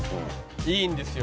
「いいんですよ」